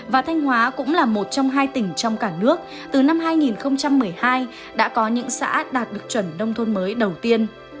và thanh hóa cũng là một trong hai tỉnh trong cả nước từ năm hai nghìn một mươi hai đã có những xã đạt được chuẩn nông thôn mới đầu tiên